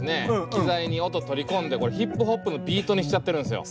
機材に音取り込んでヒップホップのビートにしちゃってるんですよ。